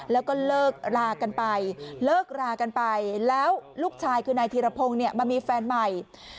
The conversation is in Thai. แล้วก็เลิกรากันไปเลิกรากันไปแล้วลูกชายคือนายธีรพงศ์เนี่ยมามีแฟนใหม่